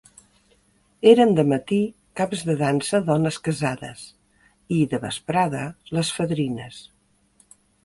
Eren de matí caps de dansa dones casades i, de vesprada, les fadrines.